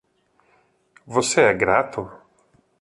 Você é grato?